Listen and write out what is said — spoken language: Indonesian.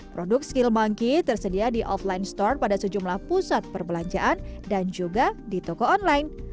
produk skill monkey tersedia di offline store pada sejumlah pusat perbelanjaan dan juga di toko online